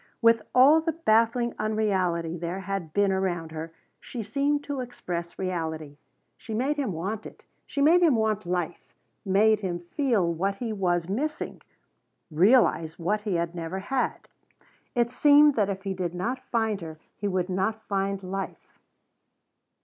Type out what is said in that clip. With all the baffling unreality there had been around her, she seemed to express reality. She made him want it. She made him want life. Made him feel what he was missing realize what he had never had. It seemed that if he did not find her he would not find life.